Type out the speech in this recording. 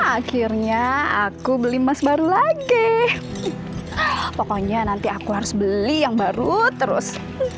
akhirnya aku beli emas baru lagi pokoknya nanti aku harus beli yang baru terus